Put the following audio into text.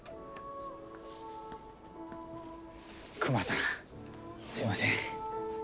クマさんすいません。